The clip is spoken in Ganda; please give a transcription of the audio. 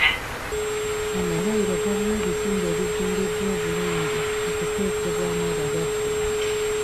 Amalwaliro galina ebizimbe ebizimbiddwa obirungi okuteekebwamu abalwadde.